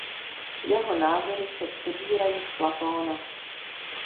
Jeho názory se přebírají z Platóna.